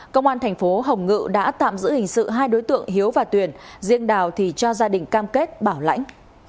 công an thành phố hồng ngự đã tạm giữ hình sự hai đối tượng hiếu và tuyền riêng đào thì cho gia đình cam kết bảo lãnh